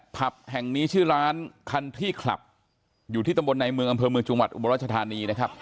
ผับแห่งนี้ชื่อร้านคันที่คลับอยู่ที่ตำบลในเมืองอำเภอเมืองจังหวัดอุบรัชธานีนะครับ